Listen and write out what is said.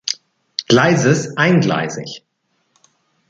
Gleises eingleisig.